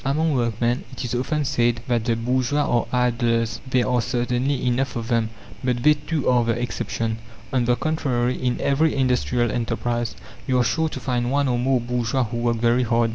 Among workmen it is often said that the bourgeois are idlers. There are certainly enough of them, but they, too, are the exception. On the contrary, in every industrial enterprise, you are sure to find one or more bourgeois who work very hard.